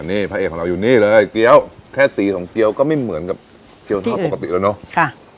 นี่พระเอกของเราอยู่นี่เลยเกี้ยวแค่สีของเกี้ยวก็ไม่เหมือนกับเกี้ยวทอดปกติแล้วเนอะ